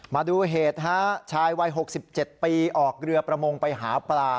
มาดูเหตุฮะชายวัย๖๗ปีออกเรือประมงไปหาปลา